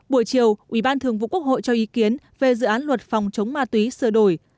buổi chiều ủy ban thường vụ quốc hội cho ý kiến về dự án luật phòng chống ma túy sửa đổi